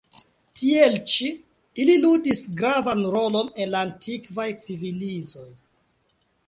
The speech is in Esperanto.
Tiel ĉi, ili ludis gravan rolon en la antikvaj civilizoj.